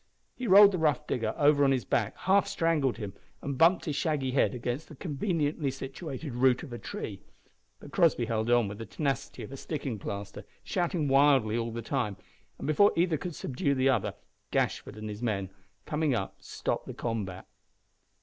He rolled the rough digger over on his back, half strangled him, and bumped his shaggy head against the conveniently situated root of a tree. But Crossby held on with the tenacity of sticking plaster, shouting wildly all the time, and before either could subdue the other, Gashford and his men coming up stopped the combat.